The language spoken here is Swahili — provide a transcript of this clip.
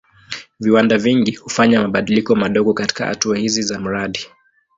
Viwanda vingi hufanya mabadiliko madogo katika hatua hizi za mradi.